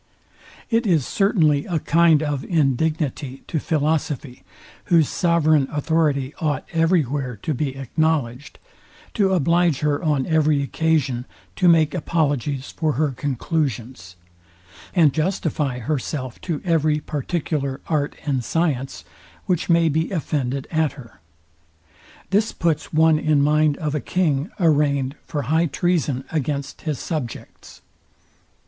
It is certainly a kind of indignity to philosophy, whose sovereign authority ought every where to be acknowledged, to oblige her on every occasion to make apologies for her conclusions, and justify herself to every particular art and science, which may be offended at her. This puts one in mind of a king arrainged for high treason against his subjects.